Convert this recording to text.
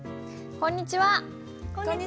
こんにちは！